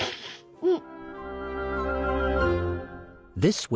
うん。